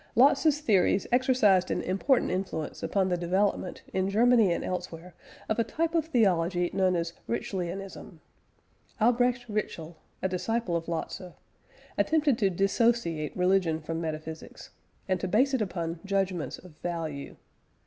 Lotze's theories exercised an important influence upon the development in Germany and elsewhere of a type of theology known as Ritschlianism. Albrecht Ritschl, a disciple of Lotze, attempted to dissociate religion from metaphysics, and to base it upon "judgments of value."